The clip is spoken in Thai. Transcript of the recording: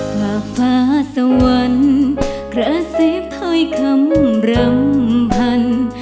กว่าฟ้าสวรรค์กระซิบถ้อยคำรำพันธ์